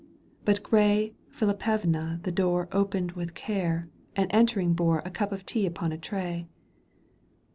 But gray Phillippevna the door Opened with care, and entering bore A cup of tea upon a tray.